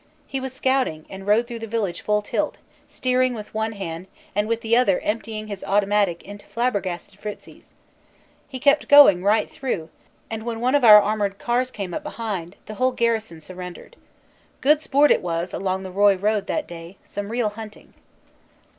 He was scouting and rode through the village full tilt, steering with one hand and with the other emptying his automatic into the flabbergasted Fritzies; he kept going right through and when one of our armored cars came up behind the whole garrison surrendered. Good sport it was along the Roye road that day some real hunting."